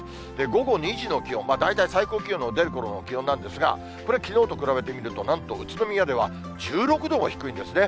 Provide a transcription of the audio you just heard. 午後２時の気温、大体最高気温の出るころの気温なんですが、きのうと比べてみると、宇都宮ではなんと１６度も低いんですね。